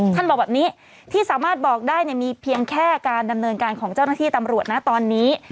บอกแบบนี้ที่สามารถบอกได้มีเพียงแค่การดำเนินการของเจ้าหน้าที่ตำรวจนะตอนนี้